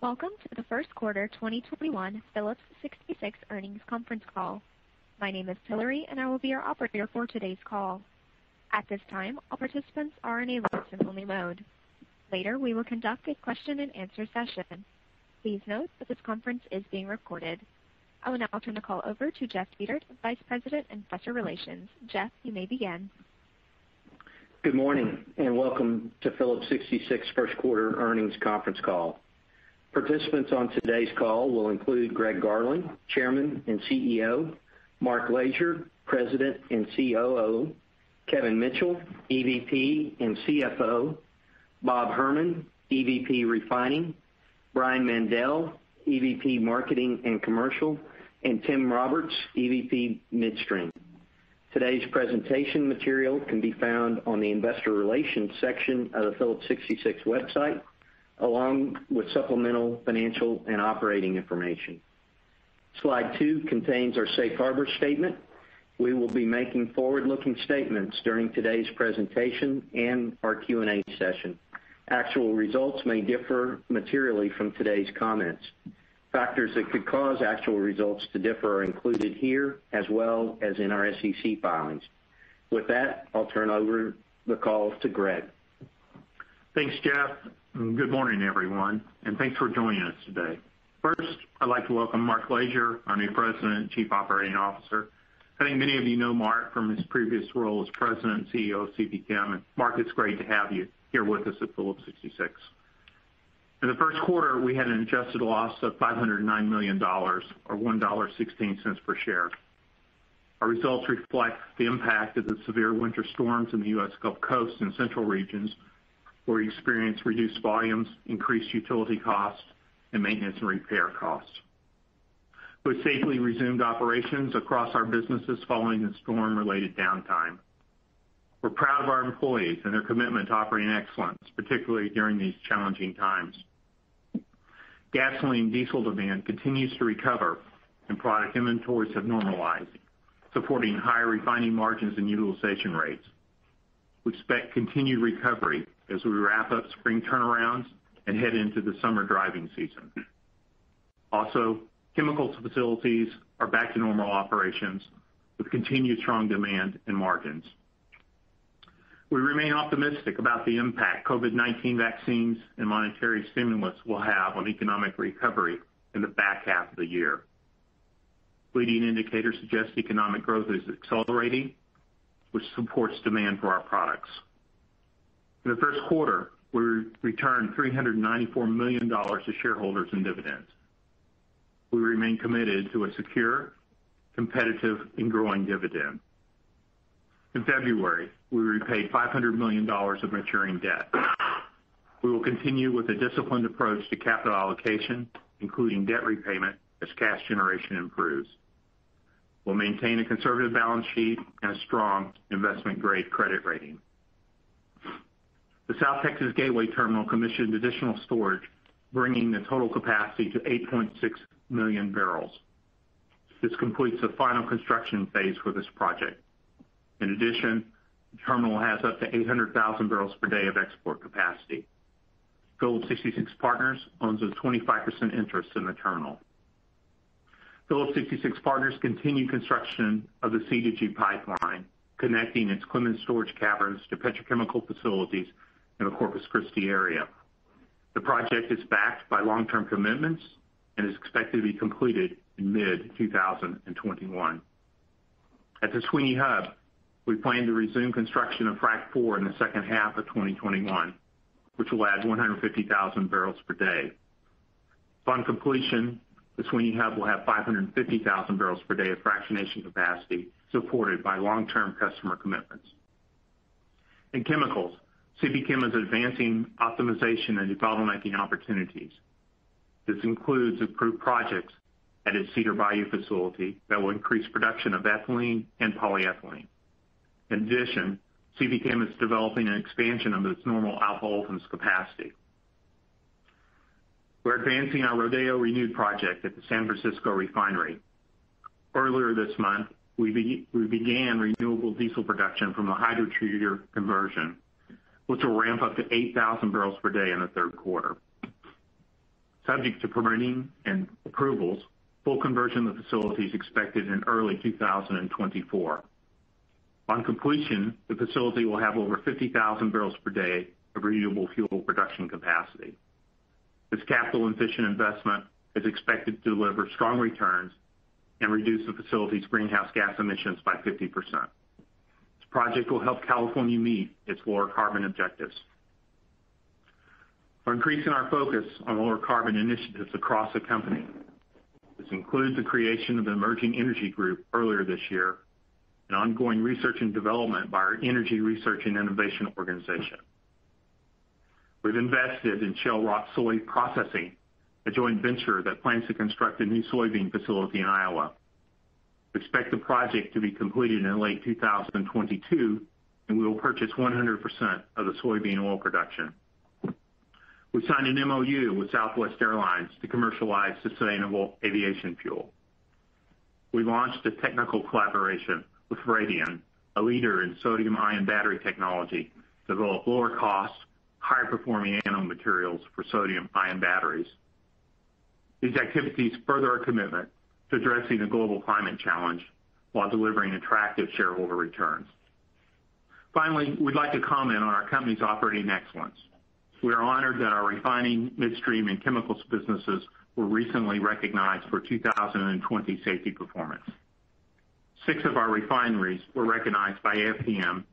Welcome to the first quarter 2021 Phillips 66 earnings conference call. My name is Hillary and I will be your operator for today's call. At this time, all participants are in a listen-only mode. Later, we will conduct a question and answer session. Please note that this conference is being recorded. I will now turn the call over to Jeff Dietert, Vice President of Investor Relations. Jeff, you may begin. Good morning, and welcome to Phillips 66 first quarter earnings conference call. Participants on today's call will include Greg Garland, Chairman and CEO, Mark Lashier, President and COO, Kevin Mitchell, EVP and CFO, Bob Herman, EVP Refining, Brian Mandell, EVP Marketing and Commercial, and Tim Roberts, EVP Midstream. Today's presentation material can be found on the investor relations section of the Phillips 66 website, along with supplemental financial and operating information. Slide two contains our safe harbor statement. We will be making forward-looking statements during today's presentation and our Q&A session. Actual results may differ materially from today's comments. Factors that could cause actual results to differ are included here, as well as in our SEC filings. With that, I'll turn over the call to Greg. Thanks, Jeff. Good morning, everyone, thanks for joining us today. First, I'd like to welcome Mark Lashier, our new President and Chief Operating Officer. I think many of you know Mark from his previous role as President and CEO of CPChem. Mark, it's great to have you here with us at Phillips 66. In the first quarter, we had an adjusted loss of $509 million, or $1.16 per share. Our results reflect the impact of the severe winter storms in the U.S. Gulf Coast and central regions, where we experienced reduced volumes, increased utility costs, and maintenance and repair costs. We safely resumed operations across our businesses following the storm-related downtime. We're proud of our employees and their commitment to operating excellence, particularly during these challenging times. Gasoline diesel demand continues to recover. Product inventories have normalized, supporting higher refining margins and utilization rates. We expect continued recovery as we wrap up spring turnarounds and head into the summer driving season. Also, chemicals facilities are back to normal operations with continued strong demand and margins. We remain optimistic about the impact COVID-19 vaccines and monetary stimulus will have on economic recovery in the back half of the year. Leading indicators suggest economic growth is accelerating, which supports demand for our products. In the first quarter, we returned $394 million to shareholders in dividends. We remain committed to a secure, competitive, and growing dividend. In February, we repaid $500 million of maturing debt. We will continue with a disciplined approach to capital allocation, including debt repayment, as cash generation improves. We'll maintain a conservative balance sheet and a strong investment-grade credit rating. The South Texas Gateway Terminal commissioned additional storage, bringing the total capacity to 8.6 million barrels. This completes the final construction phase for this project. In addition, the terminal has up to 800,000 barrels per day of export capacity. Phillips 66 Partners owns a 25% interest in the terminal. Phillips 66 Partners continued construction of the C2G Pipeline, connecting its Clemens storage caverns to petrochemical facilities in the Corpus Christi area. The project is backed by long-term commitments and is expected to be completed in mid-2021. At the Sweeny Hub, we plan to resume construction of Frac IV in the second half of 2021, which will add 150,000 barrels per day. Upon completion, the Sweeny Hub will have 550,000 barrels per day of fractionation capacity, supported by long-term customer commitments. In chemicals, CPChem is advancing optimization and development opportunities. This includes approved projects at its Cedar Bayou facility that will increase production of ethylene and polyethylene. In addition, CPChem is developing an expansion of its normal alcohols capacity. We're advancing our Rodeo Renewed project at the San Francisco Refinery. Earlier this month, we began renewable diesel production from a hydrotreater conversion, which will ramp up to 8,000 barrels per day in the third quarter. Subject to permitting and approvals, full conversion of the facility's expected in early 2024. On completion, the facility will have over 50,000 barrels per day of renewable fuel production capacity. This capital-efficient investment is expected to deliver strong returns and reduce the facility's greenhouse gas emissions by 50%. This project will help California meet its lower carbon objectives. We're increasing our focus on lower carbon initiatives across the company. This includes the creation of an emerging energy group earlier this year, and ongoing research and development by our energy research and innovation organization. We've invested in Shell Rock Soy Processing, a joint venture that plans to construct a new soybean facility in Iowa. We expect the project to be completed in late 2022, and we will purchase 100% of the soybean oil production. We signed an MoU with Southwest Airlines to commercialize sustainable aviation fuel. We launched a technical collaboration with Faradion, a leader in sodium-ion battery technology, to develop lower cost, higher performing anode materials for sodium-ion batteries. These activities further our commitment to addressing the global climate challenge while delivering attractive shareholder returns. We'd like to comment on our company's operating excellence. We are honored that our refining midstream and chemicals businesses were recently recognized for 2020 safety performance. Six of our refineries were recognized by AFPM,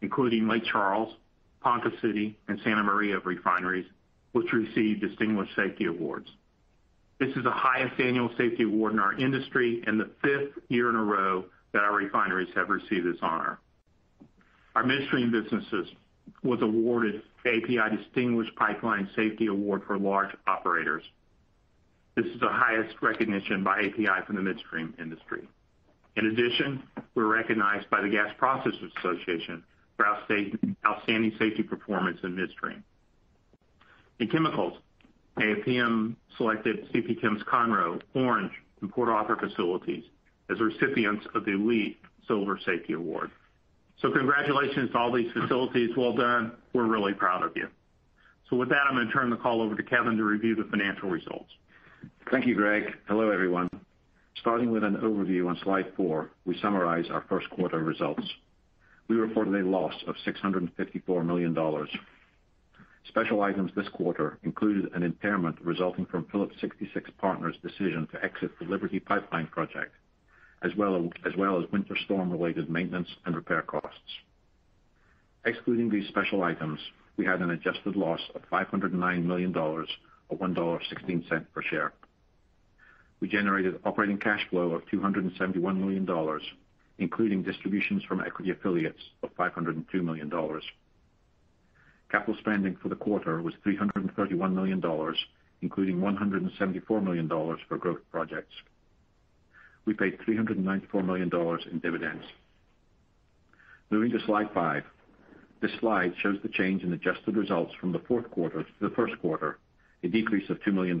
including Lake Charles, Ponca City, and Santa Maria refineries, which received distinguished safety awards. This is the highest annual safety award in our industry and the fifth year in a row that our refineries have received this honor. Our midstream businesses was awarded API Distinguished Pipeline Safety Award for large operators. This is the highest recognition by API from the midstream industry. In addition, we're recognized by the Gas Processors Association for outstanding safety performance in midstream. In chemicals, AFPM selected CPChem's Conroe, Orange, and Port Arthur facilities as recipients of the Elite Silver Safety Award. Congratulations to all these facilities. Well done. We're really proud of you. With that, I'm going to turn the call over to Kevin to review the financial results. Thank you, Greg. Hello, everyone. Starting with an overview on slide four, we summarize our first quarter results. We reported a loss of $654 million. Special items this quarter included an impairment resulting from Phillips 66 Partners' decision to exit the Liberty Pipeline project, as well as winter storm-related maintenance and repair costs. Excluding these special items, we had an adjusted loss of $509 million, or $1.16 per share. We generated operating cash flow of $271 million, including distributions from equity affiliates of $502 million. Capital spending for the quarter was $331 million, including $174 million for growth projects. We paid $394 million in dividends. Moving to slide five. This slide shows the change in adjusted results from the fourth quarter to the first quarter, a decrease of $2 million.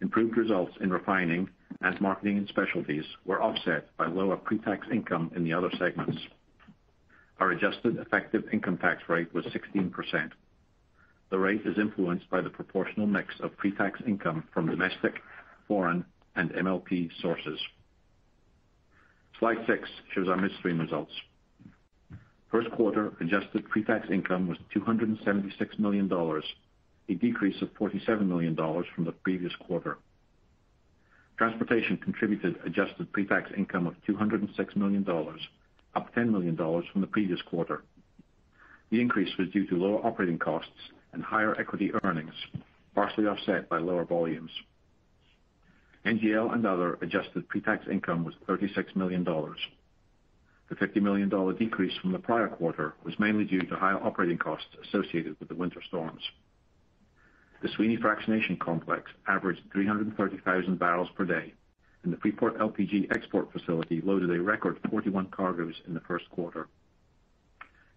Improved results in refining and marketing and specialties were offset by lower pre-tax income in the other segments. Our adjusted effective income tax rate was 16%. The rate is influenced by the proportional mix of pre-tax income from domestic, foreign, and MLP sources. Slide six shows our midstream results. First quarter adjusted pre-tax income was $276 million, a decrease of $47 million from the previous quarter. Transportation contributed adjusted pre-tax income of $206 million, up $10 million from the previous quarter. The increase was due to lower operating costs and higher equity earnings, partially offset by lower volumes. NGL and other adjusted pre-tax income was $36 million. The $50 million decrease from the prior quarter was mainly due to higher operating costs associated with the winter storms. The Sweeny Fractionation complex averaged 330,000 barrels per day, and the Freeport LPG export facility loaded a record 41 cargoes in the first quarter.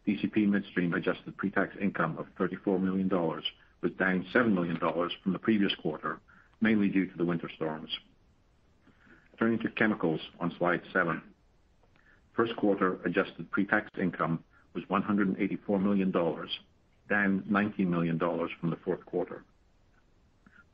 DCP Midstream adjusted pre-tax income of $34 million was down $7 million from the previous quarter, mainly due to the winter storms. Turning to chemicals on slide seven. First quarter adjusted pre-tax income was $184 million, down $19 million from the fourth quarter.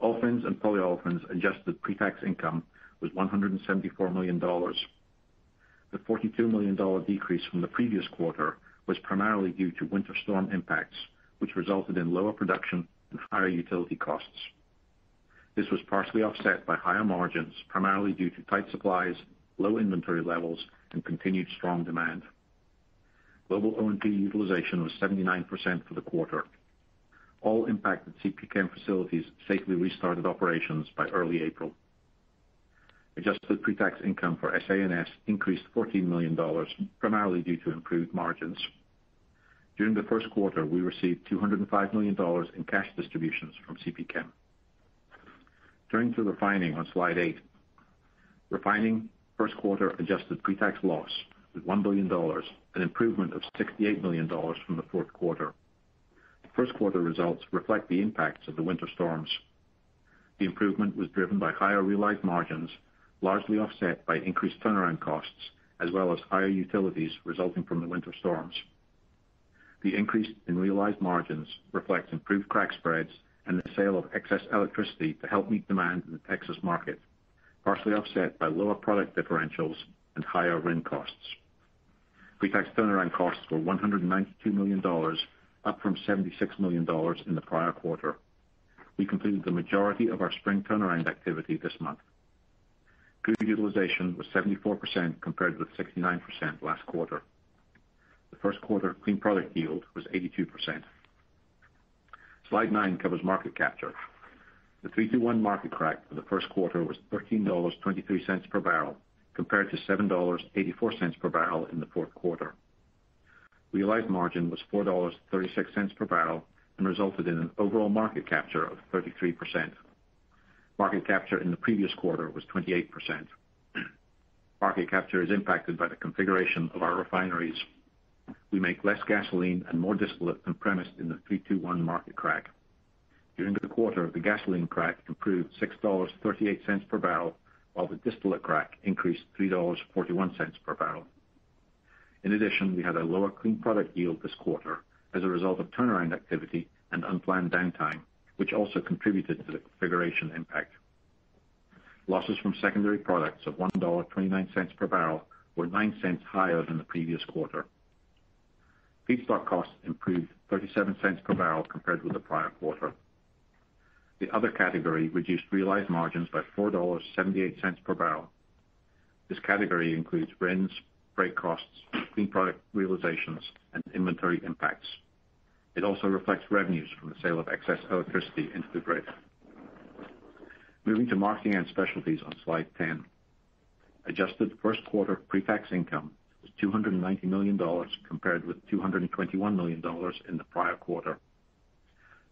Olefins and Polyolefins adjusted pre-tax income was $174 million. The $42 million decrease from the previous quarter was primarily due to winter storm impacts, which resulted in lower production and higher utility costs. This was partially offset by higher margins, primarily due to tight supplies, low inventory levels, and continued strong demand. Global O&P utilization was 79% for the quarter. All impacted CPChem facilities safely restarted operations by early April. Adjusted pre-tax income for SA&S increased $14 million, primarily due to improved margins. During the first quarter, we received $205 million in cash distributions from CPChem. Turning to refining on slide eight. Refining first quarter adjusted Pretax loss was $1 billion, an improvement of $68 million from the fourth quarter. The first quarter results reflect the impacts of the winter storms. The improvement was driven by higher realized margins, largely offset by increased turnaround costs, as well as higher utilities resulting from the winter storms. The increase in realized margins reflects improved crack spreads and the sale of excess electricity to help meet demand in the Texas market, partially offset by lower product differentials and higher RIN costs. Pretax turnaround costs were $192 million, up from $76 million in the prior quarter. We completed the majority of our spring turnaround activity this month. Group utilization was 74% compared with 69% last quarter. The first quarter clean product yield was 82%. Slide nine covers market capture. The 3-2-1 market crack for the first quarter was $13.23 per barrel compared to $7.84 per barrel in the fourth quarter. Realized margin was $4.36 per barrel and resulted in an overall market capture of 33%. Market capture in the previous quarter was 28%. Market capture is impacted by the configuration of our refineries. We make less gasoline and more distillate than premised in the 3-2-1 market crack. During the quarter, the gasoline crack improved $6.38 per barrel, while the distillate crack increased $3.41 per barrel. In addition, we had a lower clean product yield this quarter as a result of turnaround activity and unplanned downtime, which also contributed to the configuration impact. Losses from secondary products of $1.29 per barrel were $0.09 higher than the previous quarter. Feedstock costs improved $0.37 per barrel compared with the prior quarter. The other category reduced realized margins by $4.78 per barrel. This category includes RINs, freight costs, clean product realizations, and inventory impacts. It also reflects revenues from the sale of excess electricity into the grid. Moving to marketing and specialties on slide 10. Adjusted first quarter pre-tax income was $290 million, compared with $221 million in the prior quarter.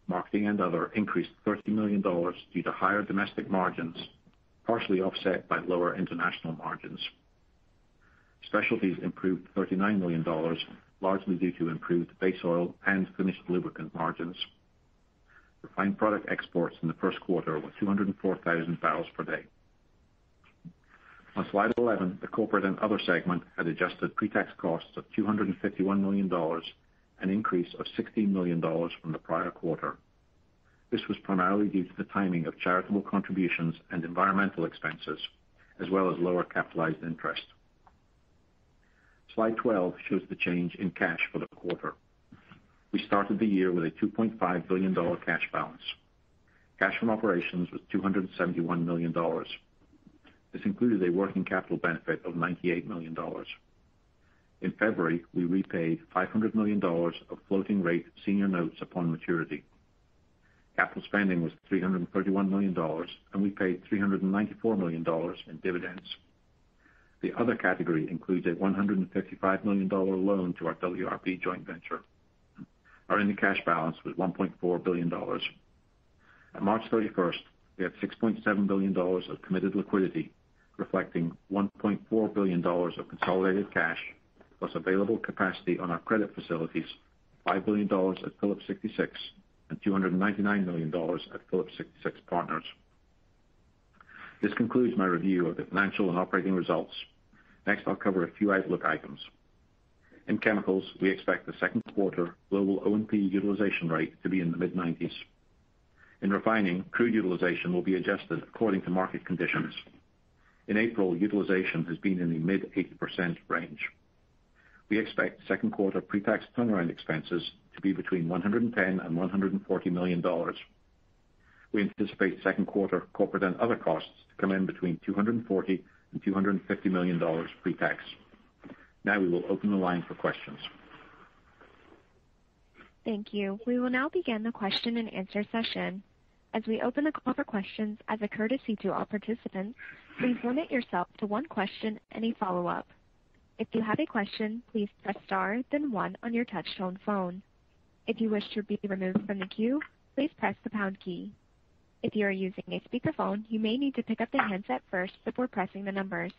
Marketing and other increased $30 million due to higher domestic margins, partially offset by lower international margins. Specialties improved $39 million, largely due to improved base oil and finished lubricant margins. Refined product exports in the first quarter were 204,000 barrels per day. On slide 11, the corporate and other segment had adjusted pre-tax costs of $251 million, an increase of $16 million from the prior quarter. This was primarily due to the timing of charitable contributions and environmental expenses, as well as lower capitalized interest. Slide 12 shows the change in cash for the quarter. We started the year with a $2.5 billion cash balance. Cash from operations was $271 million. This included a working capital benefit of $98 million. In February, we repaid $500 million of floating rate senior notes upon maturity. Capital spending was $331 million, and we paid $394 million in dividends. The other category includes a $155 million loan to our WRB joint venture. Our ending cash balance was $1.4 billion. On March 31st, we had $6.7 billion of committed liquidity, reflecting $1.4 billion of consolidated cash, plus available capacity on our credit facilities, $5 billion at Phillips 66 and $299 million at Phillips 66 Partners. This concludes my review of the financial and operating results. Next, I'll cover a few outlook items. In chemicals, we expect the second quarter global O&P utilization rate to be in the mid-90%s. In refining, crude utilization will be adjusted according to market conditions. In April, utilization has been in the mid-80% range. We expect second quarter pre-tax turnaround expenses to be between $110 million and $140 million. We anticipate second quarter corporate and other costs to come in between $240 million and $250 million pre-tax. We will open the line for questions. Thank you. We will now begin the question and answer session. As we open the call for questions, as a courtesy to all participants, please limit yourself to one question and a follow-up. If you have a question, please press star then one on your touch tone phone. If you wish to be removed from the queue, please press the pound key. If you are using a speakerphone, you may need to pick up the handset first before pressing the numbers.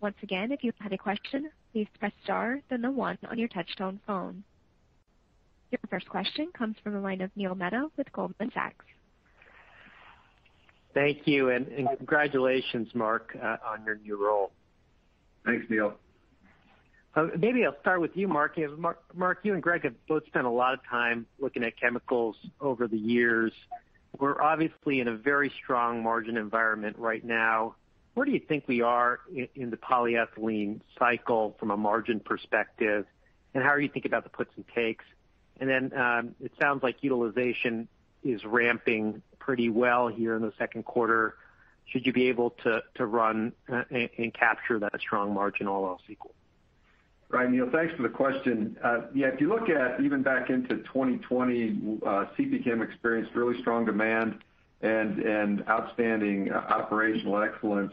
Once again, if you have a question, please press star then one on your touch tone phone. Your first question comes from the line of Neil Mehta with Goldman Sachs. Thank you, and congratulations, Mark, on your new role. Thanks, Neil. Maybe I'll start with you, Mark. Mark, you and Greg have both spent a lot of time looking at chemicals over the years. We're obviously in a very strong margin environment right now. Where do you think we are in the polyethylene cycle from a margin perspective, and how are you thinking about the puts and takes? Then it sounds like utilization is ramping pretty well here in the second quarter. Should you be able to run and capture that strong margin all else equal? Right, Neil. Thanks for the question. If you look at even back into 2020, CPChem experienced really strong demand and outstanding operational excellence.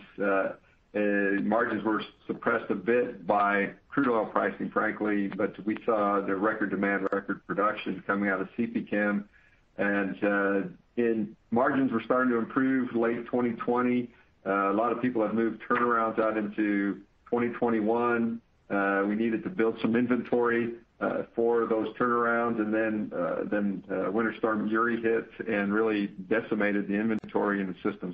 Margins were suppressed a bit by crude oil pricing, frankly. We saw the record demand, record production coming out of CPChem. Margins were starting to improve late 2020. A lot of people have moved turnarounds out into 2021. We needed to build some inventory for those turnarounds. Winter Storm Uri hit and really decimated the inventory in the system.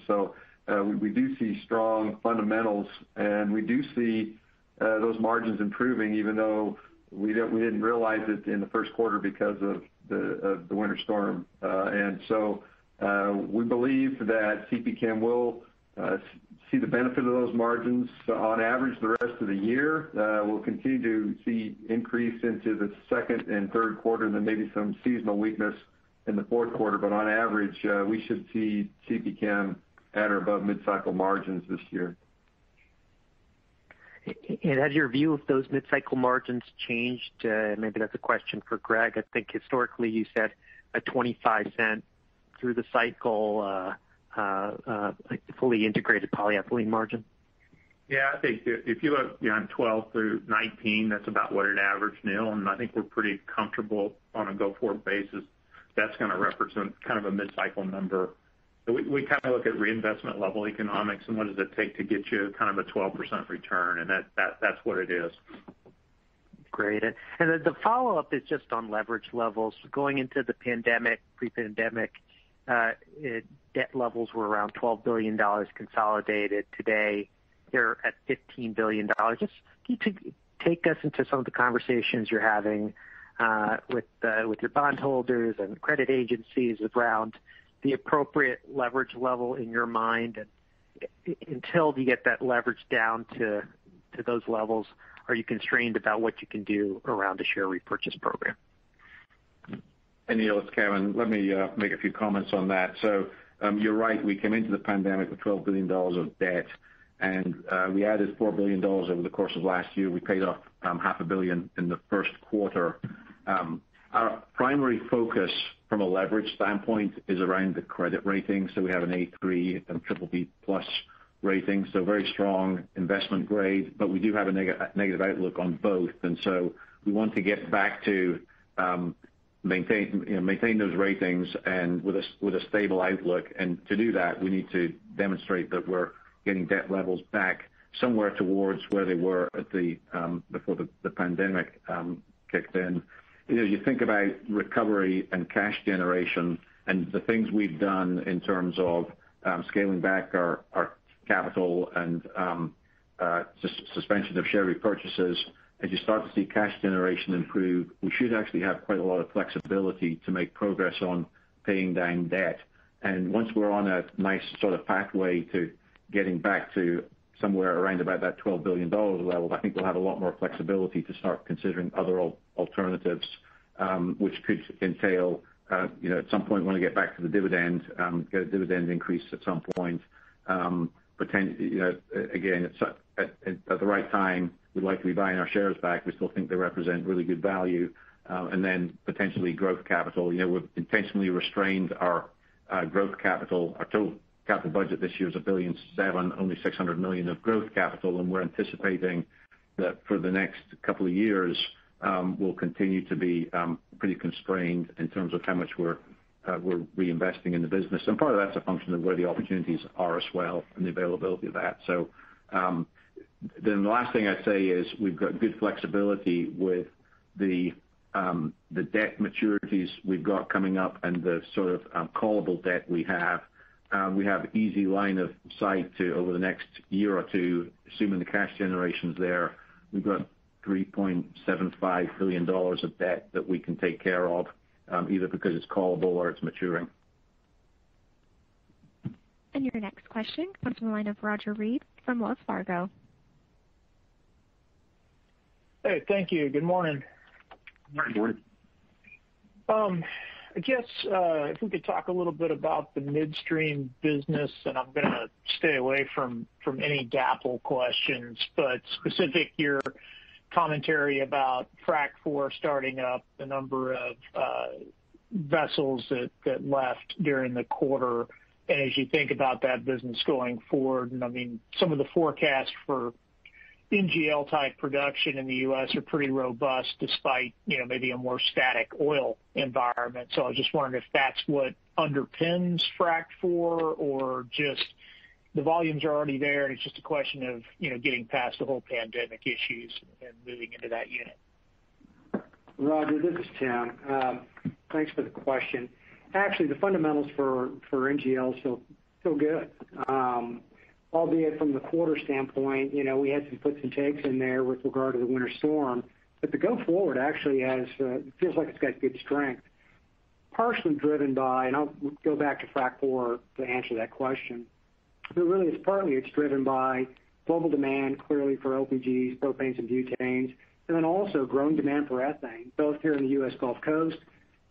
We do see strong fundamentals, and we do see those margins improving, even though we didn't realize it in the first quarter because of the winter storm. We believe that CPChem will see the benefit of those margins on average the rest of the year. We'll continue to see increase into the second and third quarter, then maybe some seasonal weakness in the fourth quarter. On average, we should see CPChem at or above mid-cycle margins this year. Has your view of those mid-cycle margins changed? Maybe that's a question for Greg. I think historically you said a $0.25 through the cycle, like fully integrated polyethylene margin. Yeah. I think if you look on 2012 through 2019, that's about what it averaged, Neil Mehta. I think we're pretty comfortable on a go-forward basis. That's going to represent kind of a mid-cycle number. We look at reinvestment level economics and what does it take to get you kind of a 12% return, and that's what it is. Great. The follow-up is just on leverage levels. Going into the pandemic, pre-pandemic, debt levels were around $12 billion consolidated. Today, they're at $15 billion. Just take us into some of the conversations you're having with your bondholders and credit agencies around the appropriate leverage level in your mind. Until you get that leverage down to those levels, are you constrained about what you can do around a share repurchase program? Neil, it's Kevin. Let me make a few comments on that. You're right. We came into the pandemic with $12 billion of debt, and we added $4 billion over the course of last year. We paid off half a billion in the first quarter. Our primary focus from a leverage standpoint is around the credit rating. We have an A3 and triple B+ rating, so very strong investment grade, but we do have a negative outlook on both. We want to get back to maintain those ratings and with a stable outlook. To do that, we need to demonstrate that we're getting debt levels back somewhere towards where they were before the pandemic kicked in. As you think about recovery and cash generation and the things we've done in terms of scaling back our capital and suspension of share repurchases, as you start to see cash generation improve, we should actually have quite a lot of flexibility to make progress on paying down debt. Once we're on a nice sort of pathway to getting back to somewhere around about that $12 billion level, I think we'll have a lot more flexibility to start considering other alternatives, which could entail at some point want to get back to the dividend, get a dividend increase at some point. Again, at the right time, we'd like to be buying our shares back. We still think they represent really good value, and then potentially growth capital. We've intentionally restrained our growth capital. Our total capital budget this year is $1.7 billion, only $600 million of growth capital, and we're anticipating that for the next couple of years, we'll continue to be pretty constrained in terms of how much we're reinvesting in the business. Part of that's a function of where the opportunities are as well and the availability of that. The last thing I'd say is we've got good flexibility with the debt maturities we've got coming up and the sort of callable debt we have. We have easy line of sight to over the next year or two, assuming the cash generation's there. We've got $3.75 billion of debt that we can take care of, either because it's callable or it's maturing. Your next question comes from the line of Roger Read from Wells Fargo. Hey, thank you. Good morning. Good morning. I guess if we could talk a little bit about the midstream business. I'm going to stay away from any DAPL questions. Specific to your commentary about Frac IV starting up, the number of vessels that left during the quarter. As you think about that business going forward, I mean, some of the forecasts for NGL type production in the U.S. are pretty robust despite maybe a more static oil environment. I was just wondering if that's what underpins Frac IV or just the volumes are already there and it's just a question of getting past the whole pandemic issues and moving into that unit. Roger, this is Tim. Thanks for the question. The fundamentals for NGLs feel good. From the quarter standpoint, we had some puts and takes in there with regard to the winter storm. The go forward actually it feels like it's got good strength, partially driven by, and I'll go back to Frac IV to answer that question. Really it's partly it's driven by global demand, clearly for LPGs, propanes and butanes, and then also growing demand for ethane, both here in the U.S. Gulf Coast,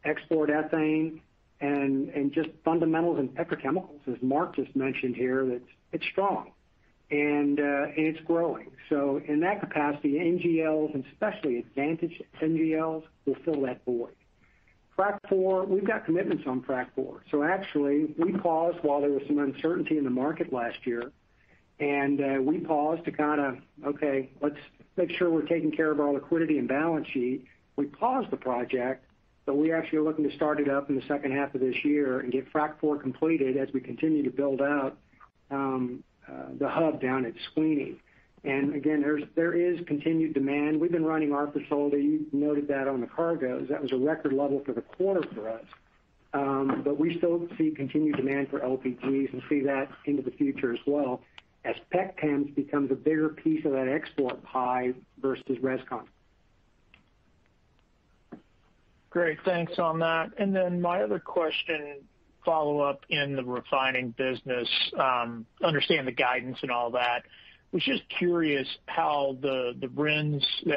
export ethane, and just fundamentals in petrochemicals, as Mark just mentioned here, that it's strong and it's growing. In that capacity, NGLs and especially advantage NGLs will fill that void. Frac IV, we've got commitments on Frac IV. Actually, we paused while there was some uncertainty in the market last year, and we paused to kind of, let's make sure we're taking care of our liquidity and balance sheet. We paused the project, but we actually are looking to start it up in the second half of this year and get Frac IV completed as we continue to build out the hub down at Sweeny. Again, there is continued demand. We've been running our facility. You noted that on the cargoes. That was a record level for the quarter for us. We still see continued demand for LPGs and see that into the future as well as petchems becomes a bigger piece of that export pie versus res-com. Great. Thanks on that. My other question, follow-up in the refining business. I understand the guidance and all that. I was just curious how the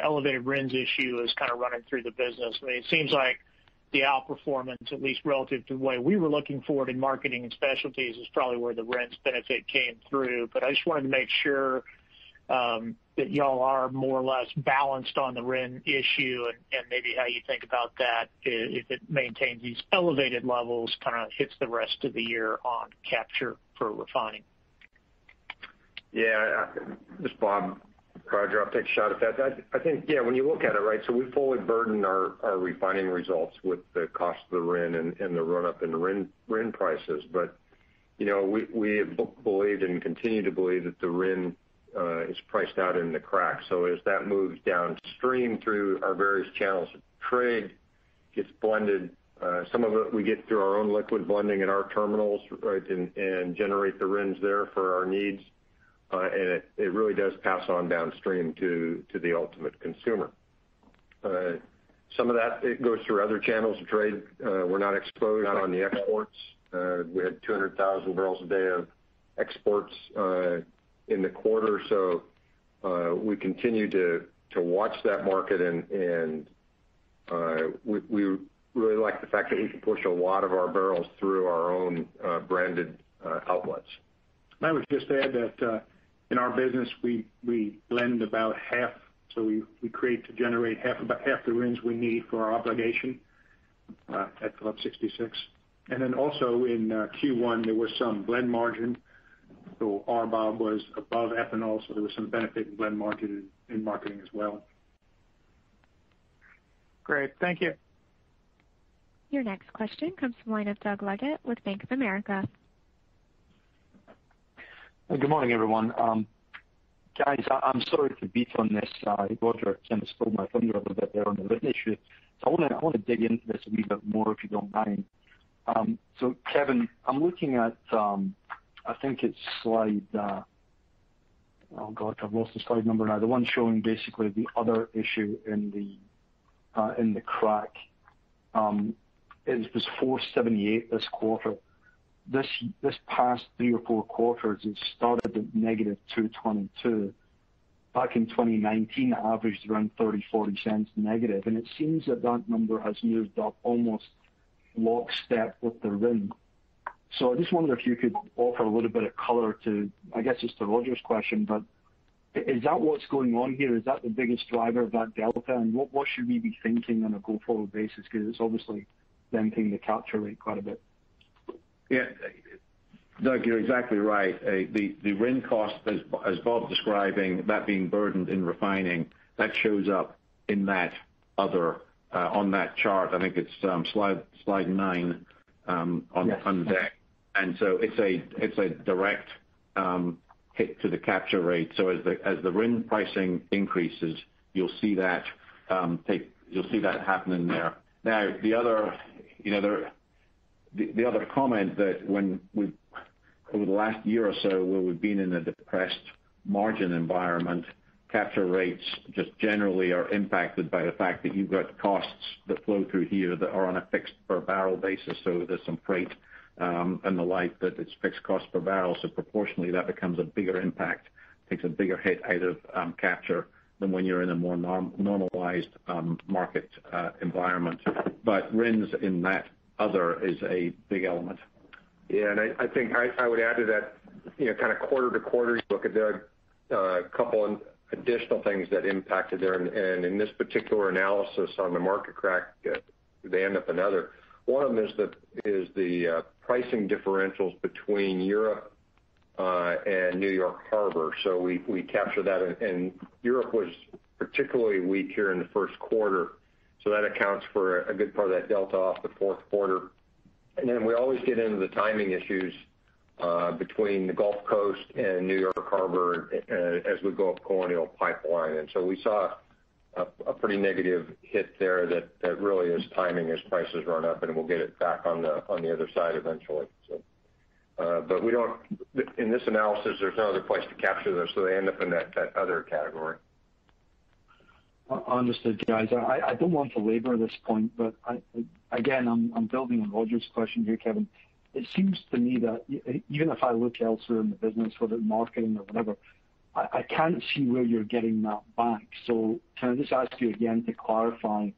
elevated RINs issue is kind of running through the business. I mean, it seems like the outperformance, at least relative to the way we were looking forward in marketing and specialties, is probably where the RINs benefit came through. I just wanted to make sure that you all are more or less balanced on the RIN issue and maybe how you think about that if it maintains these elevated levels, kind of hits the rest of the year on capture for refining. Yeah. This is Bob, Roger. I'll take a shot at that. I think, yeah, when you look at it, right? We fully burden our refining results with the cost of the RIN and the run-up in RIN prices. We have believed and continue to believe that the RIN is priced out in the crack. As that moves downstream through our various channels of trade, it gets blended. Some of it we get through our own liquid blending at our terminals, and generate the RINs there for our needs. It really does pass on downstream to the ultimate consumer. Some of that, it goes through other channels of trade. We're not exposed on the exports. We had 200,000 barrels a day of exports in the quarter. We continue to watch that market, and we really like the fact that we can push a lot of our barrels through our own branded outlets. I would just add that in our business, we blend about half. We create to generate about half the RINs we need for our obligation at Phillips 66. Also in Q1, there was some blend margin. RBOB was above ethanol, so there was some benefit in blend marketing as well. Great. Thank you. Your next question comes from the line of Doug Leggate with Bank of America. Good morning, everyone. Guys, I'm sorry to beat on this. Roger kind of spilled my finger a little bit there on the RIN issue. I want to dig into this a wee bit more, if you don't mind. Kevin, I'm looking at, I think it's slide Oh, God, I've lost the slide number now. The one showing basically the other issue in the crack. It was $4.78 this quarter. This past three or four quarters, it started at negative $2.22. Back in 2019, it averaged around $0.34 negative. It seems that that number has moved up almost lockstep with the RIN. I just wondered if you could offer a little bit of color to, I guess as to Roger's question, but is that what's going on here? Is that the biggest driver of that delta? What should we be thinking on a go-forward basis? It's obviously denting the capture rate quite a bit. Doug, you're exactly right. The RIN cost, as Bob describing, that being burdened in refining, that shows up in that other, on that chart, I think it's slide nine on deck. Yeah. It's a direct hit to the capture rate. As the RIN pricing increases, you'll see that happening there. The other comment that over the last year or so, where we've been in a depressed margin environment, capture rates just generally are impacted by the fact that you've got costs that flow through here that are on a fixed per barrel basis. There's some freight, and the like that it's fixed cost per barrel. Proportionally, that becomes a bigger impact, takes a bigger hit out of capture than when you're in a more normalized market environment. RINs in that other is a big element. I think I would add to that, kind of quarter to quarter, you look at the couple additional things that impacted there. In this particular analysis on the market crack, they end up another. One of them is the pricing differentials between Europe and New York Harbor. We capture that, and Europe was particularly weak here in the first quarter. That accounts for a good part of that delta off the fourth quarter. Then we always get into the timing issues, between the Gulf Coast and New York Harbor as we go up Colonial Pipeline. We saw a pretty negative hit there that really is timing as prices run up, and we'll get it back on the other side eventually. In this analysis, there's no other place to capture those, so they end up in that other category. Understood, guys. I don't want to labor this point, but again, I'm building on Roger's question here, Kevin. It seems to me that even if I look elsewhere in the business, whether marketing or whatever, I can't see where you're getting that back. Can I just ask you again to clarify,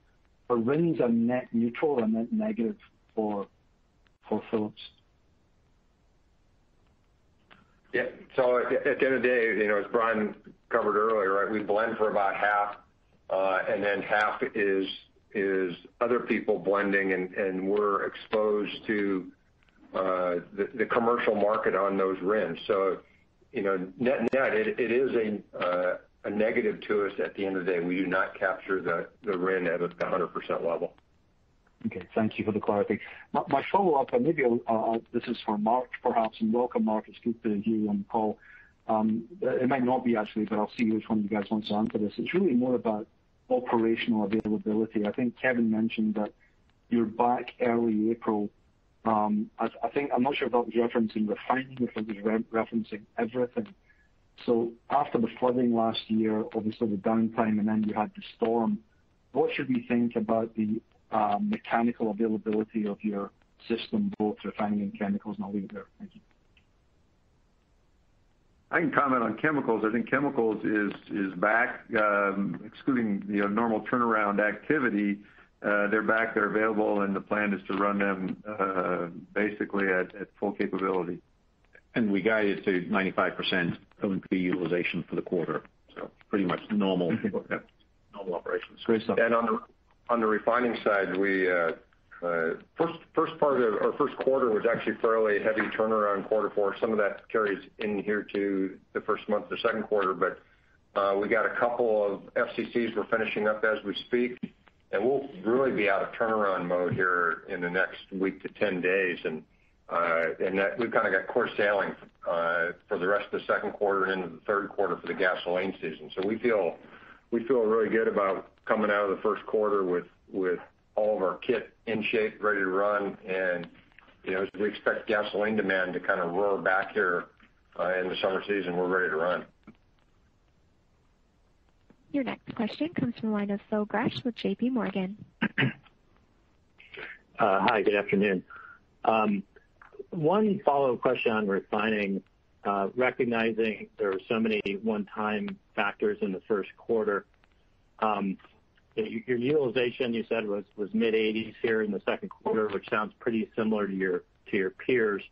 are RINs net neutral or net negative for Phillips? Yeah. At the end of the day, as Brian covered earlier, we blend for about half, and then half is other people blending, and we're exposed to the commercial market on those RINs. Net, it is a negative to us at the end of the day. We do not capture the RIN at 100% level. Okay. Thank you for the clarity. My follow-up, maybe this is for Mark perhaps, and welcome, Mark. It's good to hear you on call. It might not be actually, but I'll see which one of you guys wants to answer this. It's really more about operational availability. I think Kevin mentioned that you're back early April. I'm not sure if that was referencing refining or if it was referencing everything. After the flooding last year, obviously the downtime, and then you had the storm, what should we think about the mechanical availability of your system, both refining and chemicals? I'll leave it there. Thank you. I can comment on Chemicals. I think Chemicals is back, excluding the normal turnaround activity. They're back, they're available, and the plan is to run them basically at full capability. We guided to 95% chemical utilization for the quarter. Pretty much normal operations. Great stuff. On the refining side, our first quarter was actually a fairly heavy turnaround quarter for us. Some of that carries in here to the first month of the second quarter, but we got a couple of FCCs we're finishing up as we speak. We'll really be out of turnaround mode here in the next week to 10 days, and we've kind of got clear sailing for the rest of the second quarter into the third quarter for the gasoline season. We feel really good about coming out of the first quarter with all of our kit in shape, ready to run, and as we expect gasoline demand to kind of roar back here in the summer season, we're ready to run. Your next question comes from the line of Phil Gresh with JPMorgan. Hi, good afternoon. One follow-up question on refining. Recognizing there were so many one-time factors in the first quarter, your utilization, you said was mid-80%s here in the second quarter, which sounds pretty similar to your peers.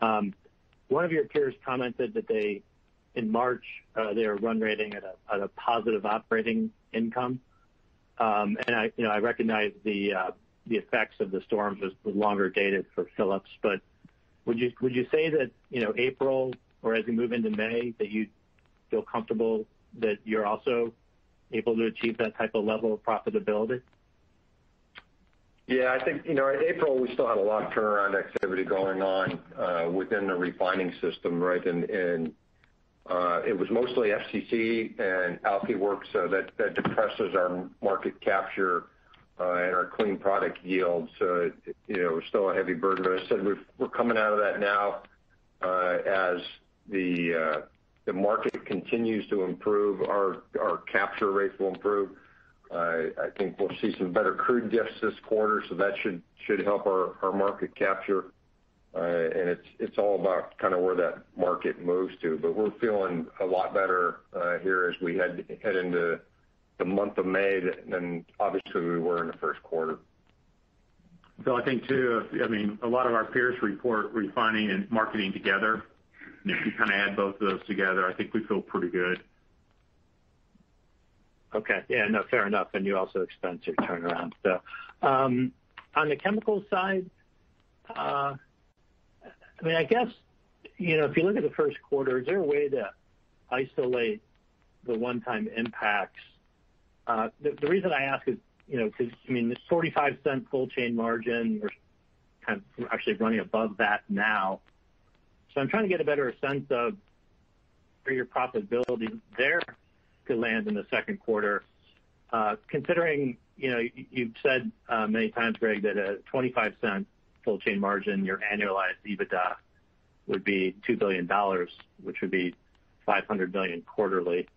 One of your peers commented that they, in March, they were run rating at a positive operating income. I recognize the effects of the storms was longer dated for Phillips, but would you say that April or as we move into May, that you feel comfortable that you're also able to achieve that type of level of profitability? Yeah, I think, in April, we still had a lot of turnaround activity going on within the refining system, right. It was mostly FCC and alky work, so that depresses our market capture and our clean product yield. It was still a heavy burden. As said, we're coming out of that now. As the market continues to improve, our capture rates will improve. I think we'll see some better crude diffs this quarter, so that should help our market capture. It's all about kind of where that market moves to. We're feeling a lot better here as we head into the month of May than obviously we were in the first quarter. Phil, I think, too, a lot of our peers report refining and marketing together. If you kind of add both of those together, I think we feel pretty good. Okay. Yeah, no, fair enough. You also expense your turnaround. On the chemical side, if you look at the first quarter, is there a way to isolate the one-time impacts? The reason I ask is because this $0.45 full chain margin, you're kind of actually running above that now. I'm trying to get a better sense of where your profitability there could land in the second quarter, considering, you've said many times, Greg, that at $0.25 full chain margin, your annualized EBITDA would be $2 billion, which would be $500 million quarterly.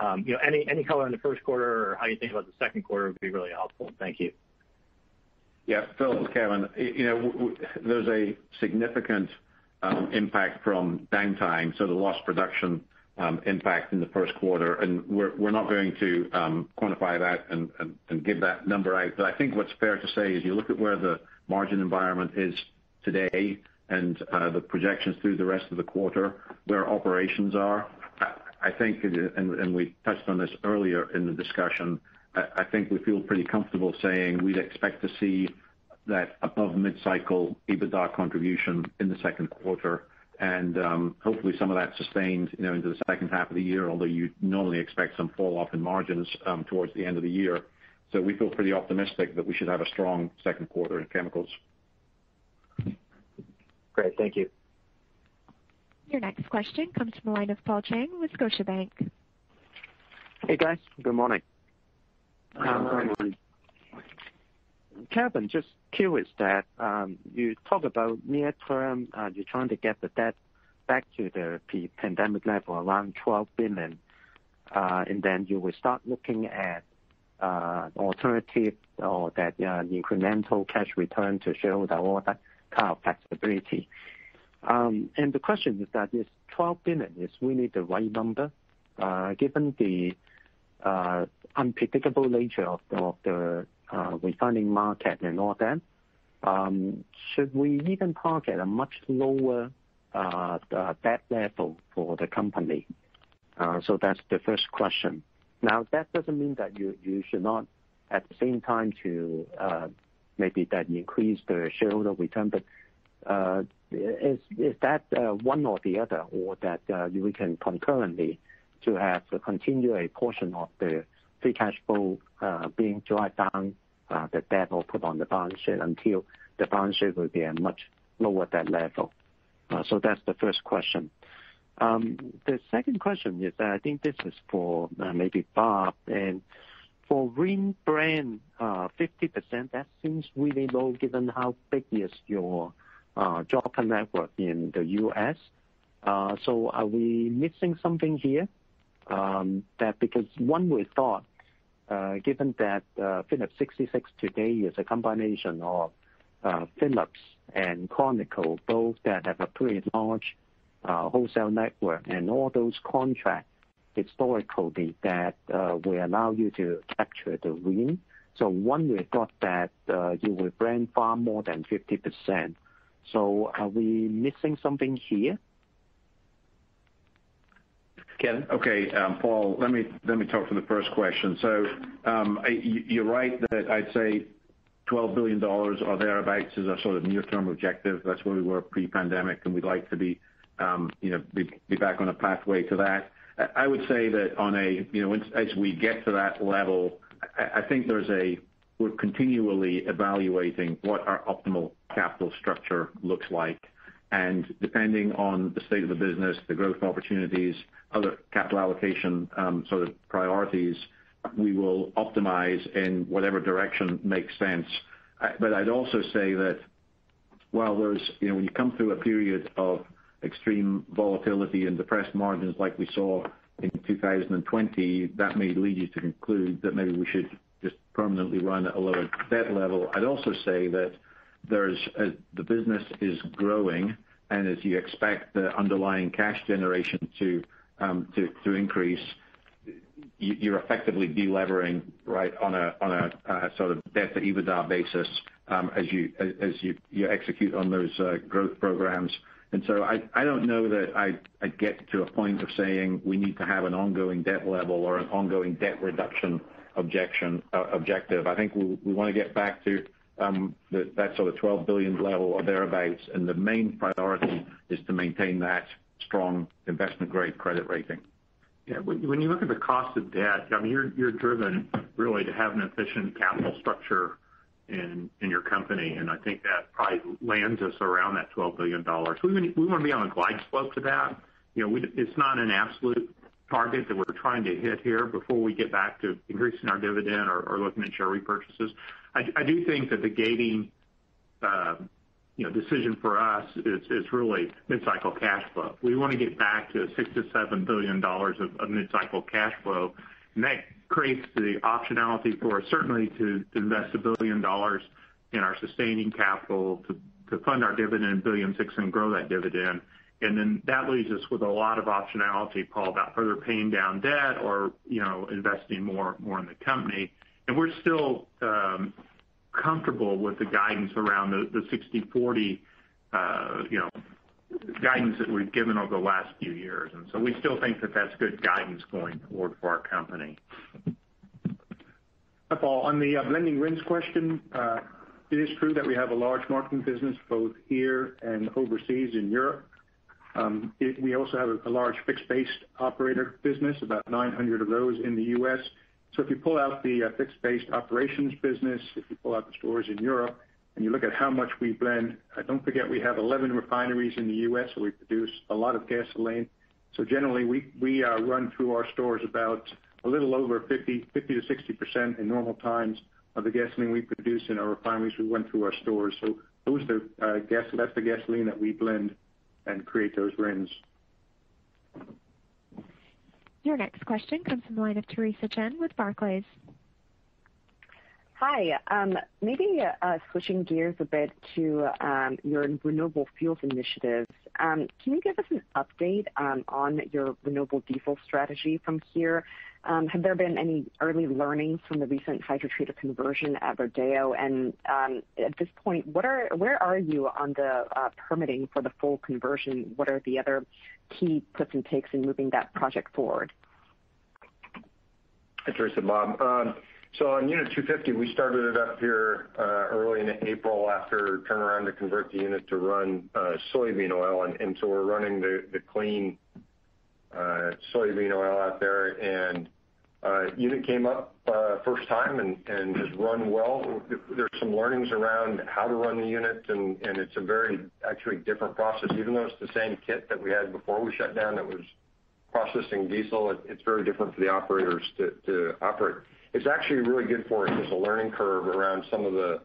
Any color on the first quarter or how you think about the second quarter would be really helpful. Thank you. Phil, it's Kevin. There's a significant impact from downtime, the lost production impact in the first quarter, we're not going to quantify that and give that number out. I think what's fair to say is you look at where the margin environment is today and the projections through the rest of the quarter, where operations are, we touched on this earlier in the discussion, I think we feel pretty comfortable saying we'd expect to see that above mid-cycle EBITDA contribution in the second quarter. Hopefully, some of that sustains into the second half of the year, although you'd normally expect some fall off in margins towards the end of the year. We feel pretty optimistic that we should have a strong second quarter in chemicals. Great. Thank you. Your next question comes from the line of Paul Cheng with Scotiabank. Hey, guys. Good morning. Good morning. Kevin, just curious that you talk about near term you're trying to get the debt back to the pre-pandemic level, around $12 billion and then you will start looking at alternative or that incremental cash return to shareholder or that kind of flexibility. The question is that, is $12 billion really the right number? Given the unpredictable nature of the refining market and all that, should we even target a much lower debt level for the company? That's the first question. That doesn't mean that you should not at the same time to maybe then increase the shareholder return. Is that one or the other or that we can concurrently to have a continuing portion of the free cash flow being dried down the debt or put on the balance sheet until the balance sheet will be a much lower debt level? That's the first question. The second question is that I think this is for maybe Bob, and for RIN blend 50%, that seems really low given how big is your jobber network in the U.S.? Are we missing something here? That because one would thought given that Phillips 66 today is a combination of Phillips and Conoco, both that have a pretty large wholesale network and all those contracts historically that will allow you to capture the RIN. One would have thought that you would brand far more than 50%. Are we missing something here? Kevin? Okay. Paul, let me talk to the first question. You're right that I'd say $12 billion or thereabouts is our sort of near-term objective. That's where we were pre-pandemic, and we'd like to be back on a pathway to that. I would say that as we get to that level, I think we're continually evaluating what our optimal capital structure looks like. Depending on the state of the business, the growth opportunities, other capital allocation sort of priorities, we will optimize in whatever direction makes sense. I'd also say that while when you come through a period of extreme volatility and depressed margins like we saw in 2020, that may lead you to conclude that maybe we should just permanently run at a lower debt level. I'd also say that the business is growing, and as you expect the underlying cash generation to increase, you're effectively de-levering on a sort of debt to EBITDA basis as you execute on those growth programs. I don't know that I'd get to a point of saying we need to have an ongoing debt level or an ongoing debt reduction objective. I think we want to get back to that sort of $12 billion level or thereabouts, and the main priority is to maintain that strong investment-grade credit rating. When you look at the cost of debt, you're driven really to have an efficient capital structure in your company, and I think that probably lands us around that $12 billion. We want to be on a glide slope to that. It's not an absolute target that we're trying to hit here before we get back to increasing our dividend or looking at share repurchases. I do think that the gating decision for us is really mid-cycle cash flow. We want to get back to $6 billion-$7 billion of mid-cycle cash flow, and that creates the optionality for us certainly to invest a billion in our sustaining capital to fund our dividend $1.06 billion and grow that dividend. That leaves us with a lot of optionality, Paul, about further paying down debt or investing more in the company. We're still comfortable with the guidance around the 60/40 guidance that we've given over the last few years. We still think that that's good guidance going forward for our company. Paul, on the blending RINs question, it is true that we have a large marketing business both here and overseas in Europe. We also have a large fixed-based operator business, about 900 of those in the U.S. If you pull out the fixed-based operations business, if you pull out the stores in Europe, and you look at how much we blend, don't forget we have 11 refineries in the U.S., we produce a lot of gasoline. Generally, we run through our stores about a little over 50%-60% in normal times of the gasoline we produce in our refineries, we run through our stores. That's the gasoline that we blend and create those RINs. Your next question comes from the line of Theresa Chen with Barclays. Hi. Maybe switching gears a bit to your renewable fuels initiatives. Can you give us an update on your renewable diesel strategy from here? Have there been any early learnings from the recent hydrotreater conversion at Rodeo? At this point, where are you on the permitting for the full conversion? What are the other key twists and takes in moving that project forward? Hey, Theresa. Bob. On Unit 250, we started it up here early in April after turnaround to convert the unit to run soybean oil. We're running the clean soybean oil out there. Unit came up first time and has run well. There's some learnings around how to run the unit. It's a very, actually, different process. Even though it's the same kit that we had before we shut down that was processing diesel, it's very different for the operators to operate. It's actually really good for us as a learning curve around some of the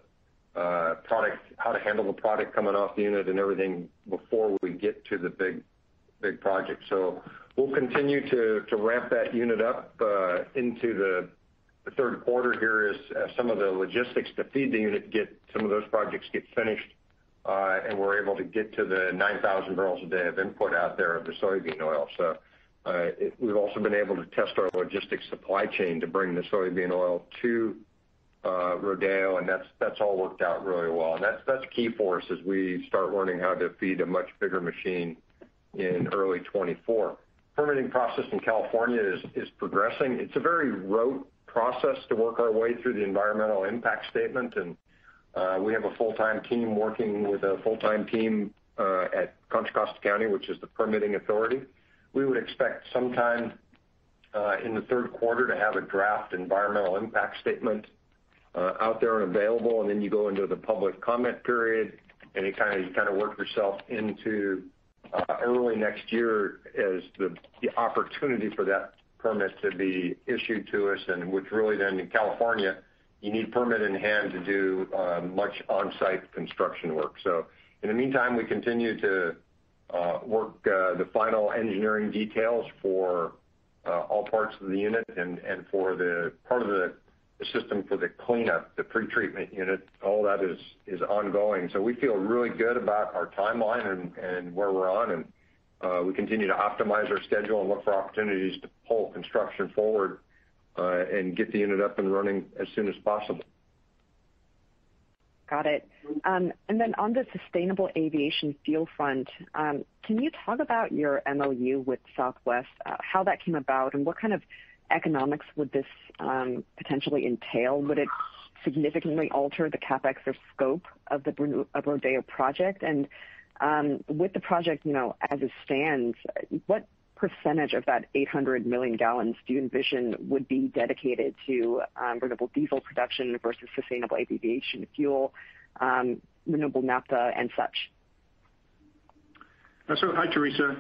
product, how to handle the product coming off the unit and everything before we get to the big project. We'll continue to ramp that unit up into the third quarter here as some of the logistics to feed the unit, some of those projects get finished, and we're able to get to the 9,000 barrels a day of input out there of the soybean oil. We've also been able to test our logistics supply chain to bring the soybean oil to Rodeo, and that's all worked out really well. That's key for us as we start learning how to feed a much bigger machine in early 2024. Permitting process in California is progressing. It's a very rote process to work our way through the environmental impact statement, and we have a full-time team working with a full-time team at Contra Costa County, which is the permitting authority. We would expect sometime in the third quarter to have a draft environmental impact statement out there and available, and then you go into the public comment period, and you kind of work yourself into early next year as the opportunity for that permit to be issued to us, and which really then in California, you need permit in hand to do much on-site construction work. In the meantime, we continue to work the final engineering details for all parts of the unit and for the part of the system for the cleanup, the pretreatment unit, all that is ongoing. We feel really good about our timeline and where we're on, and we continue to optimize our schedule and look for opportunities to pull construction forward and get the unit up and running as soon as possible. Got it. On the sustainable aviation fuel front, can you talk about your MoU with Southwest, how that came about, and what kind of economics would this potentially entail? Would it significantly alter the CapEx or scope of the Rodeo project? With the project, as it stands, what percentage of that 800 million gallons do you envision would be dedicated to renewable diesel production versus sustainable aviation fuel, renewable naphtha and such? Hi, Theresa.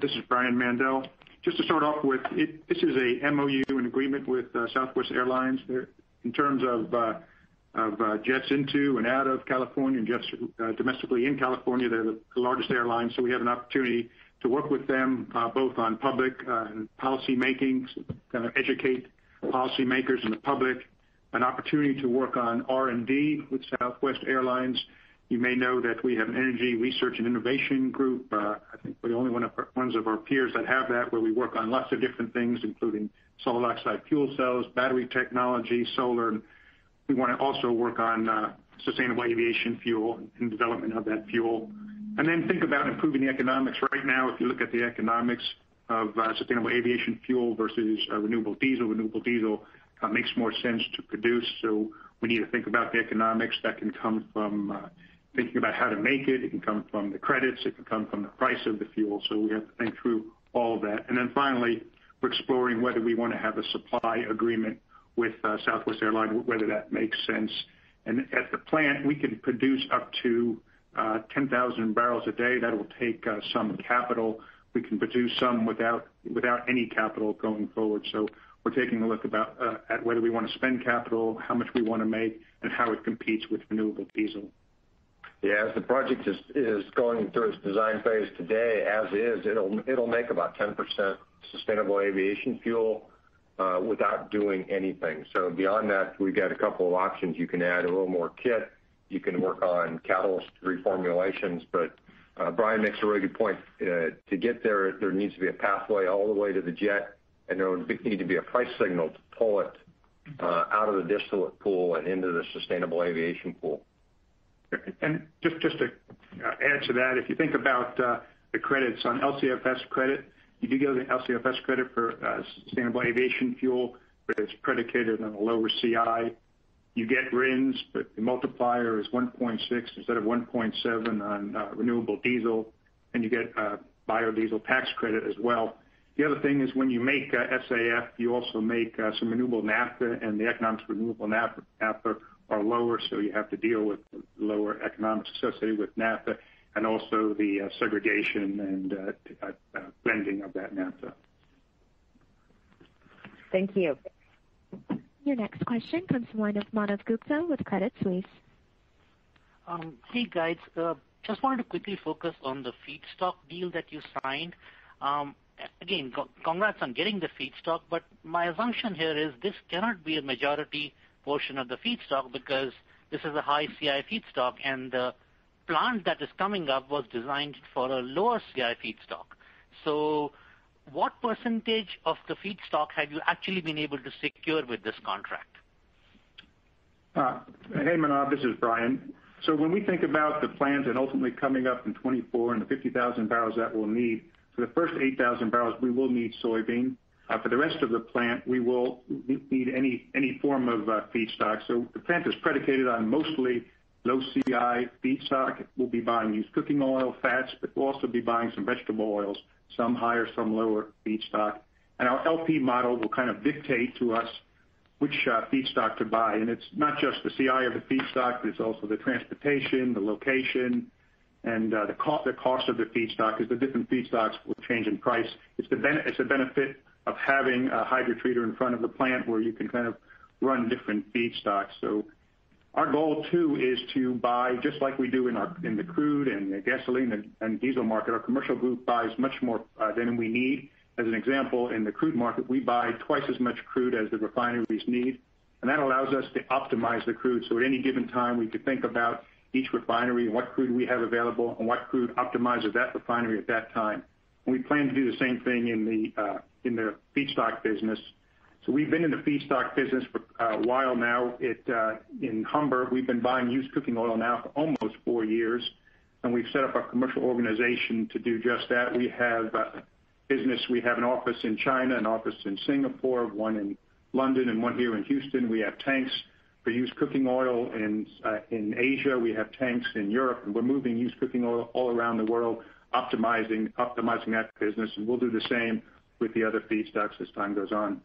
This is Brian Mandell. Just to start off with, this is a MOU, an agreement with Southwest Airlines. In terms of jets into and out of California and jets domestically in California, they're the largest airline, so we have an opportunity to work with them both on public and policy making, kind of educate policy makers and the public, an opportunity to work on R&D with Southwest Airlines. You may know that we have an energy research and innovation group, I think we're the only ones of our peers that have that, where we work on lots of different things, including solid oxide fuel cells, battery technology, solar. We want to also work on sustainable aviation fuel and development of that fuel. Then think about improving the economics. Right now, if you look at the economics of sustainable aviation fuel versus renewable diesel, renewable diesel makes more sense to produce. We need to think about the economics that can come from thinking about how to make it. It can come from the credits, it can come from the price of the fuel. We have to think through all that. Finally, we're exploring whether we want to have a supply agreement with Southwest Airlines, whether that makes sense. At the plant, we can produce up to 10,000 barrels a day. That'll take some capital. We can produce some without any capital going forward. We're taking a look at whether we want to spend capital, how much we want to make, and how it competes with renewable diesel. Yeah. As the project is going through its design phase today, as is, it'll make about 10% sustainable aviation fuel, without doing anything. Beyond that, we've got a couple of options. You can add a little more kit, you can work on catalyst reformulations. Brian makes a really good point. To get there needs to be a pathway all the way to the jet, and there would need to be a price signal to pull it out of the distillate pool and into the sustainable aviation pool. Just to add to that, if you think about the credits on LCFS credit, you do get an LCFS credit for sustainable aviation fuel, but it's predicated on a lower CI. You get RINs, but the multiplier is 1.6 instead of 1.7 on renewable diesel, and you get a biodiesel tax credit as well. The other thing is, when you make SAF, you also make some renewable naphtha, and the economics of renewable naphtha are lower. You have to deal with lower economic associated with naphtha and also the segregation and blending of that naphtha. Thank you. Your next question comes the line of Manav Gupta with Credit Suisse. Hey, guys. Just wanted to quickly focus on the feedstock deal that you signed. Again, congrats on getting the feedstock, my assumption here is this cannot be a majority portion of the feedstock because this is a high CI feedstock, and the plant that is coming up was designed for a lower CI feedstock. What percentage of the feedstock have you actually been able to secure with this contract? Hey, Manav, this is Brian. When we think about the plant and ultimately coming up in 2024 and the 50,000 barrels that we'll need, for the first 8,000 barrels, we will need soybean. For the rest of the plant, we will need any form of feedstock. The plant is predicated on mostly low CI feedstock. We'll be buying used cooking oil, fats, but we'll also be buying some vegetable oils, some higher, some lower feedstock. Our LP model will kind of dictate to us which feedstock to buy. It's not just the CI of the feedstock, but it's also the transportation, the location, and the cost of the feedstock, because the different feedstocks will change in price. It's the benefit of having a hydrotreater in front of the plant where you can kind of run different feedstocks. Our goal, too, is to buy just like we do in the crude and the gasoline and diesel market. Our commercial group buys much more than we need. As an example, in the crude market, we buy twice as much crude as the refineries need, and that allows us to optimize the crude. At any given time, we can think about each refinery and what crude we have available and what crude optimizes that refinery at that time. We plan to do the same thing in the feedstock business. We've been in the feedstock business for a while now. In Humber, we've been buying used cooking oil now for almost four years, and we've set up a commercial organization to do just that. We have business, we have an office in China, an office in Singapore, one in London, and one here in Houston. We have tanks for used cooking oil in Asia. We have tanks in Europe, and we're moving used cooking oil all around the world, optimizing that business. We'll do the same with the other feedstocks as time goes on.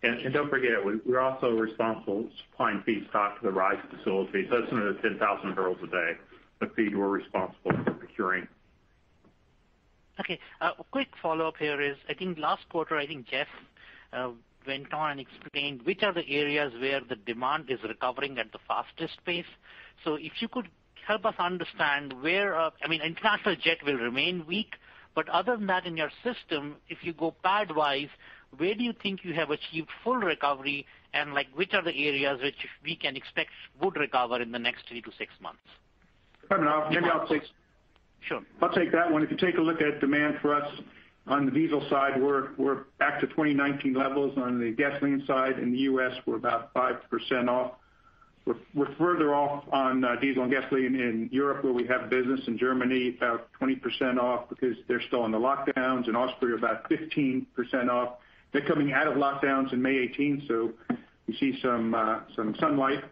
Don't forget, we're also responsible supplying feedstock to the Ryze facility. That's another 10,000 barrels a day of feed we're responsible for procuring. Okay. A quick follow-up here is, I think last quarter, I think Jeff went on and explained which are the areas where the demand is recovering at the fastest pace. If you could help us understand, I mean, international jet will remain weak, but other than that, in your system, if you go PADD-wise, where do you think you have achieved full recovery? Which are the areas which we can expect would recover in the next three to six months? Manav, Sure. I'll take that one. If you take a look at demand for us on the diesel side, we're back to 2019 levels. On the gasoline side in the U.S., we're about 5% off. We're further off on diesel and gasoline in Europe, where we have business in Germany, about 20% off because they're still on the lockdowns. In Austria, about 15% off. They're coming out of lockdowns in May 18, we see some sunlight.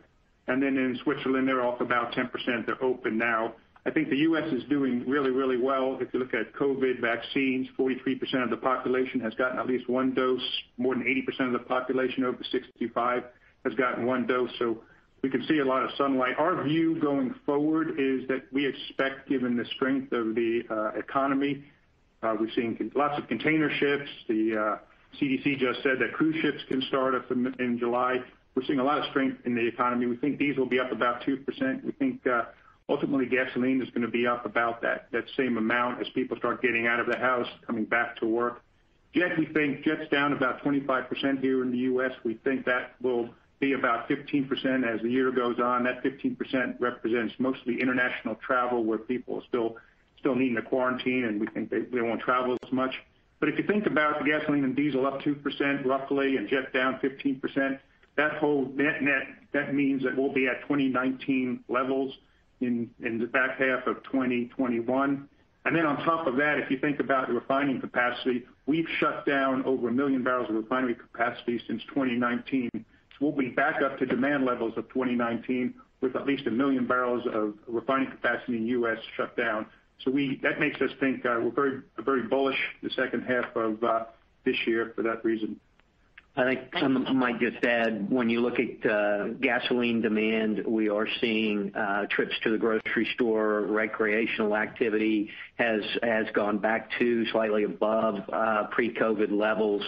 In Switzerland, they're off about 10%. They're open now. I think the U.S. is doing really, really well. If you look at COVID vaccines, 43% of the population has gotten at least one dose. More than 80% of the population over 65 has gotten one dose. We can see a lot of sunlight. Our view going forward is that we expect, given the strength of the economy, we're seeing lots of container ships. The CDC just said that cruise ships can start up in July. We're seeing a lot of strength in the economy. We think diesel will be up about 2%. We think, ultimately, gasoline is going to be up about that same amount as people start getting out of the house, coming back to work. Jet, we think, jet's down about 25% here in the U.S. We think that will be about 15% as the year goes on. That 15% represents mostly international travel, where people are still needing to quarantine, and we think they won't travel as much. If you think about gasoline and diesel up 2% roughly and jet down 15%, that whole net means that we'll be at 2019 levels in the back half of 2021. On top of that, if you think about the refining capacity, we've shut down over a million barrels of refinery capacity since 2019. We'll be back up to demand levels of 2019 with at least a million barrels of refining capacity in the U.S. shut down. That makes us think we're very bullish the second half of this year, for that reason. I think I might just add, when you look at gasoline demand, we are seeing trips to the grocery store. Recreational activity has gone back to slightly above pre-COVID levels.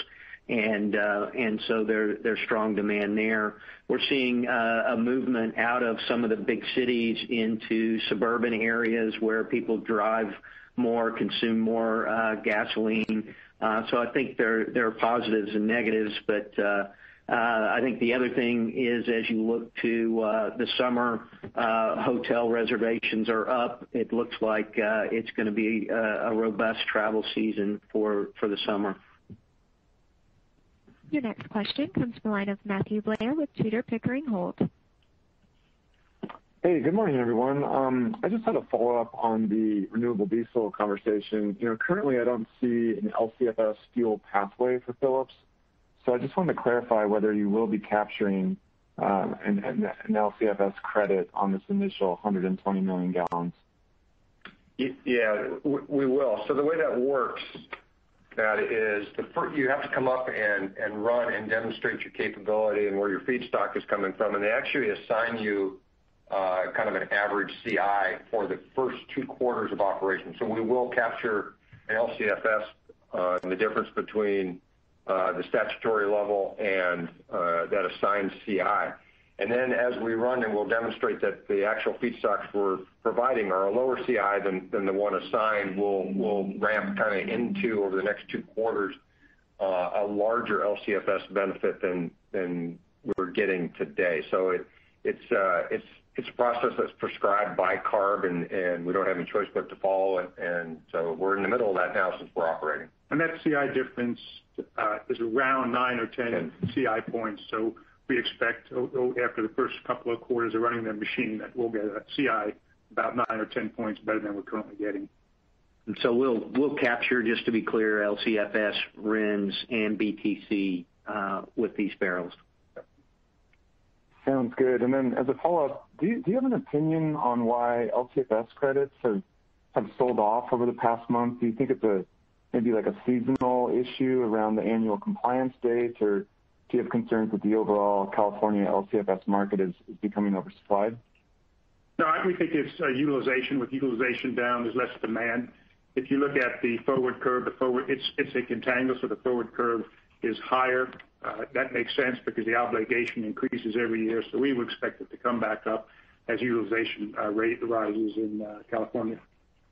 There's strong demand there. We're seeing a movement out of some of the big cities into suburban areas where people drive more, consume more gasoline. I think there are positives and negatives, but I think the other thing is, as you look to the summer, hotel reservations are up. It looks like it's going to be a robust travel season for the summer. Your next question comes from the line of Matthew Blair with Tudor, Pickering, Holt. Hey, good morning, everyone. I just had a follow-up on the renewable diesel conversation. Currently, I don't see an LCFS fuel pathway for Phillips. I just wanted to clarify whether you will be capturing an LCFS credit on this initial 120 million gallons. Yeah, we will. The way that works, Matt, is you have to come up and run and demonstrate your capability and where your feedstock is coming from. They actually assign you kind of an average CI for the first two quarters of operation. We will capture LCFS and the difference between the statutory level and that assigned CI. As we run and we'll demonstrate that the actual feedstocks we're providing are a lower CI than the one assigned, we'll ramp kind of into, over the next two quarters, a larger LCFS benefit than we're getting today. It's a process that's prescribed by CARB, and we don't have any choice but to follow it. We're in the middle of that now since we're operating. That CI difference is around nine or 10 CI points. We expect after the first couple of quarters of running that machine, that we'll get a CI about nine or 10 points better than we're currently getting. We'll capture, just to be clear, LCFS, RINs, and BTC with these barrels. Sounds good. As a follow-up, do you have an opinion on why LCFS credits have sold off over the past month? Do you think it's maybe a seasonal issue around the annual compliance date, or do you have concerns that the overall California LCFS market is becoming oversupplied? No, we think it's utilization. With utilization down, there's less demand. If you look at the forward curve, it's a contango, so the forward curve is higher. That makes sense because the obligation increases every year. We would expect it to come back up as utilization rises in California.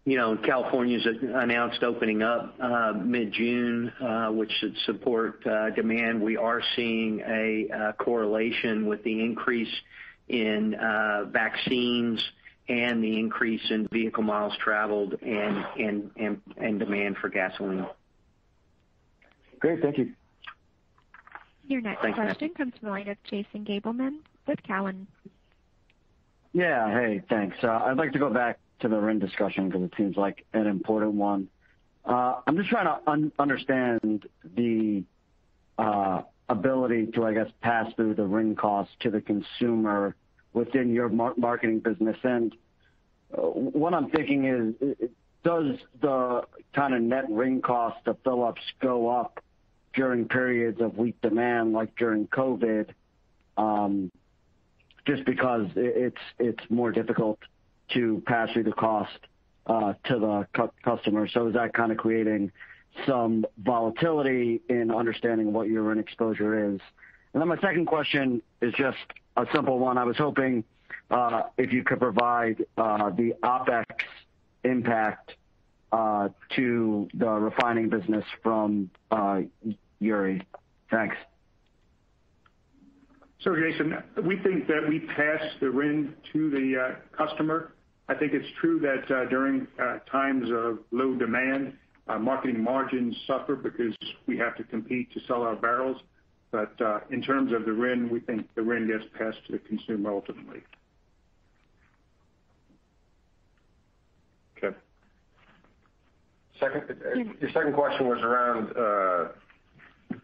California's announced opening up mid-June, which should support demand. We are seeing a correlation with the increase in vaccines and the increase in vehicle miles traveled and demand for gasoline. Great. Thank you. Your next question comes from the line of Jason Gabelman with Cowen. Yeah. Hey, thanks. I'd like to go back to the RIN discussion because it seems like an important one. I'm just trying to understand the ability to, I guess, pass through the RIN cost to the consumer within your marketing business. What I'm thinking is, does the kind of net RIN cost of Phillips go up during periods of weak demand, like during COVID, just because it's more difficult to pass through the cost to the customer? Is that kind of creating some volatility in understanding what your RIN exposure is? My second question is just a simple one. I was hoping if you could provide the OpEx impact to the refining business from Uri. Thanks. Jason, we think that we pass the RIN to the customer. I think it's true that during times of low demand, marketing margins suffer because we have to compete to sell our barrels. In terms of the RIN, we think the RIN gets passed to the consumer ultimately. Okay. Your second question was around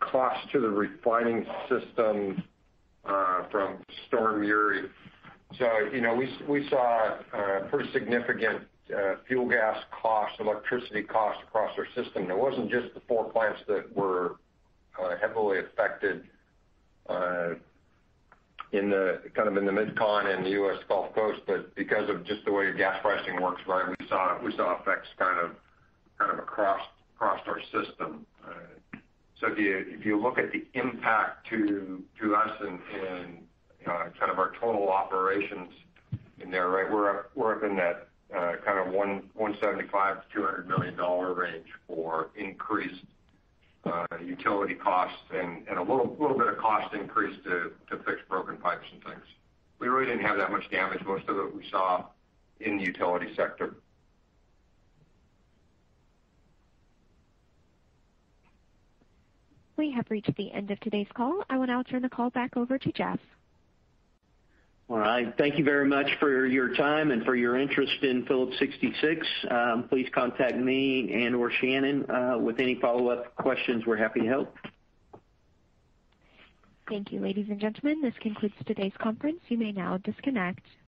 cost to the refining system from Storm Uri. We saw pretty significant fuel gas costs, electricity costs across our system. It wasn't just the four plants that were heavily affected kind of in the MidCon and the U.S. Gulf Coast. Because of just the way gas pricing works, we saw effects kind of across our system. If you look at the impact to us in kind of our total operations in there, we're up in that kind of $175 million-$200 million range for increased utility costs and a little bit of cost increase to fix broken pipes and things. We really didn't have that much damage. Most of it we saw in the utility sector. We have reached the end of today's call. I will now turn the call back over to Jeff. All right. Thank you very much for your time and for your interest in Phillips 66. Please contact me and/or Shannon with any follow-up questions. We're happy to help. Thank you, ladies and gentlemen. This concludes today's conference. You may now disconnect.